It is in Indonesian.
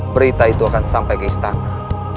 berita itu akan sampai ke istana